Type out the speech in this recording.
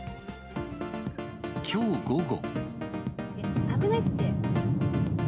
きょう午後。